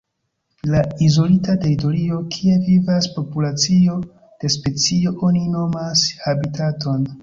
La izolita teritorio kie vivas populacio de specio oni nomas habitaton.